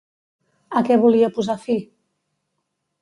A què volia posar fi?